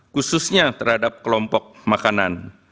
khususnya terhadap kelompok makanan